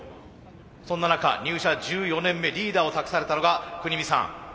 そんな中入社１４年目リーダーを託されたのが國見さん。